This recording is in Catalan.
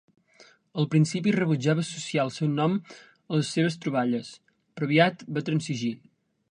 Al principi rebutjava associar el seu nom a les seves troballes, però aviat va transigir.